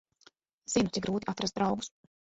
Zinu, cik grūti atrast draugus.